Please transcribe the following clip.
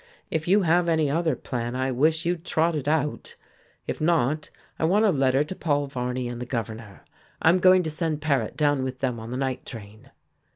If you have any other plan, I wish you'd trot it out. If not, I want a letter to Paul Varney and the governor. I'm going to send Paret down with them on the night train."